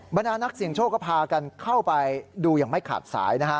บรรดานักเสี่ยงโชคก็พากันเข้าไปดูอย่างไม่ขาดสายนะฮะ